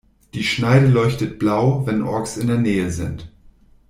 Die Schneide leuchtet Blau, wenn Orks in der Nähe sind.